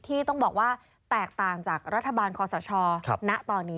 ที่ต้องบอกว่าแตกต่างจากรัฐบาลคอสชนะตอนนี้